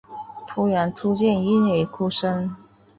突然出现婴儿哭声